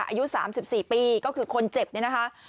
อายุ๓๔ปีก็คือคนเจ็บเนี่ยนะคะ